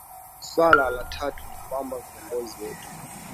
swala la tatu ni kwamba viongozi wetu